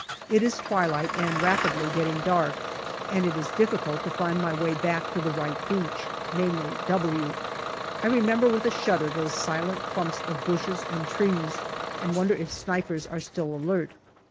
It is twilight and rapidly getting dark, and it is difficult to find my way back to the right beach, namely " W." I remember with a shudder those silent clumps of bushes and trees, and wonder if snipers are still alert.